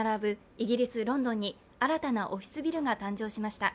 イギリス・ロンドンに新たなオフィスビルが誕生しました。